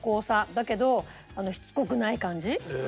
だけどしつこくない感じ。